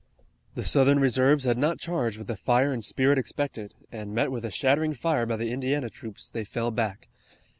The Southern reserves had not charged with the fire and spirit expected, and, met with a shattering fire by the Indiana troops, they fell back.